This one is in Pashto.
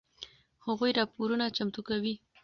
هغوی راپورونه چمتو کوي.